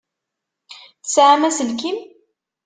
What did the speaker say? Tesεam aselkim?